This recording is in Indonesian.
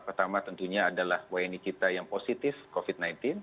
pertama tentunya adalah wni kita yang positif covid sembilan belas